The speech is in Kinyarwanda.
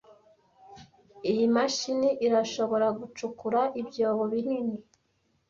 Iyi mashini irashobora gucukura ibyobo binini.